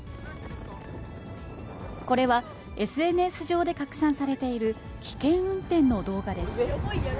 これは、ＳＮＳ上で拡散されている、危険運転の動画です。